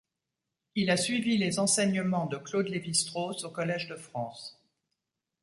Il a suivi les enseignements de Claude Lévi-Strauss au Collège de France.